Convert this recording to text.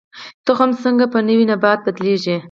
تخم څنګه په نوي نبات بدلیږي؟